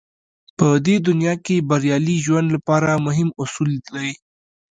په دې دنيا کې بريالي ژوند لپاره مهم اصول دی.